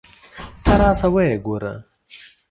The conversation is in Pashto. ته راشه ویې ګوره.